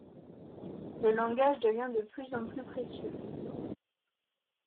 Le langage devient de plus en plus précieux.